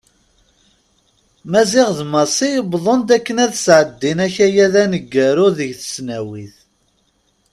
Maziɣ d Massi wwḍen-d akken ad sɛeddin akayad aneggaru deg tesnawit.